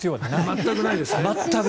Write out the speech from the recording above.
全くないですね。